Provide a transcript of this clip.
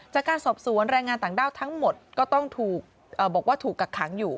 จากการสอบสวนแรงงานต่างด้าวทั้งหมดก็ต้องถูกบอกว่าถูกกักขังอยู่